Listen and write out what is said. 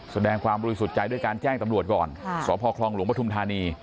สแดงความรู้สุดใจด้วยการแจ้งตำรวจก่อนที่สพคลลปถด